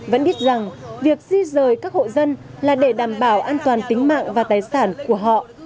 vẫn biết rằng việc di rời các hộ dân là để đảm bảo an toàn tính mạng và tài sản của họ